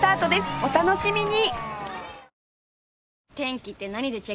お楽しみに！